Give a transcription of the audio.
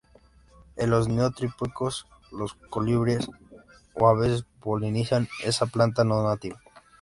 En los Neotrópicos los colibríes, a veces, polinizan esta planta no nativa.